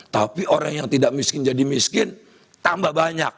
tapi orang yang tidak miskin jadi miskin tambah banyak